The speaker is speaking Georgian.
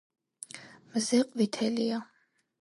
მზე ყვითელია